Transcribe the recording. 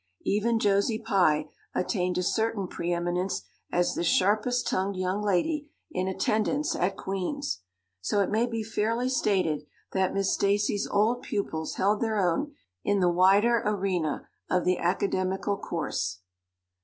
Even Josie Pye attained a certain preeminence as the sharpest tongued young lady in attendance at Queen's. So it may be fairly stated that Miss Stacy's old pupils held their own in the wider arena of the academical course.